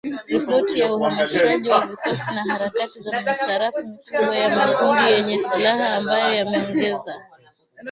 ripoti ya uhamasishaji wa vikosi na harakati za misafara mikubwa ya makundi yenye silaha ambayo yameongeza